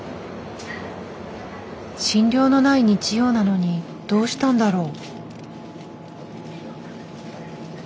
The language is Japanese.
診療のない日曜なのにどうしたんだろう。